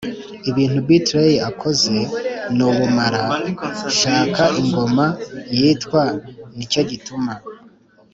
ibintu b-threy akoze nubumara shaka ingoma yitwa nicyo gituma